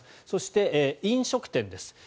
そして、飲食店です。